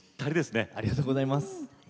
ありがとうございます。